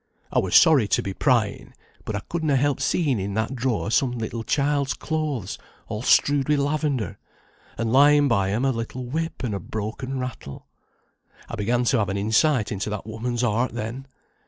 I were sorry to be prying, but I could na' help seeing in that drawer some little child's clothes, all strewed wi' lavendar, and lying by 'em a little whip an' a broken rattle. I began to have an insight into that woman's heart then.